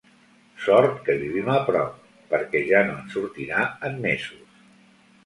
Sort que vivim a prop, perquè ja no en sortirà en mesos.